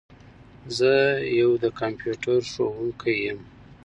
زه یو د کمپیوټر ښوونکي یم.